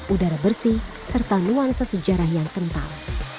udara bersih serta nuansa sejarah yang kental